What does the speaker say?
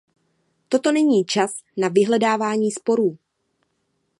Toto není čas na vyhledávání sporů.